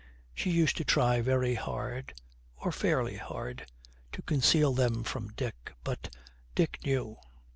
She used to try very hard, or fairly hard, to conceal them from Dick; but Dick knew.